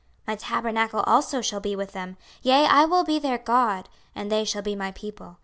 26:037:027 My tabernacle also shall be with them: yea, I will be their God, and they shall be my people.